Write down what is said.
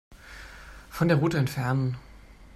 Von der Route entfernen.